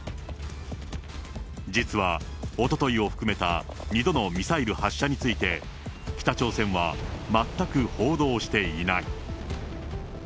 実は、おとといを含めた２度のミサイル発射について、北朝鮮は全く報道していない。